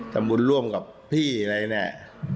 ทำบุญร่วมกับพี่อะไรเนี่ย